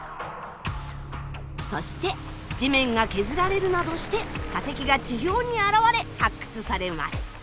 そして地面が削られるなどして化石が地表に現れ発掘されます。